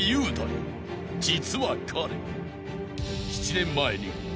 ［実は彼］